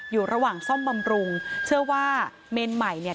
อยู่ระหว่างซ่อมบำรุงเชื่อว่าเมนใหม่เนี่ย